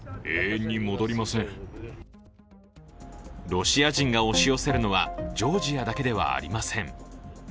ロシア人が押し寄せるのはジョージアだけではありません。